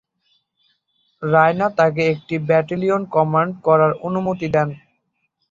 রায়না তাকে একটি battalion command করার অনুমতি দেন।